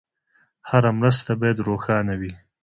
هره مرسته باید روښانه وي.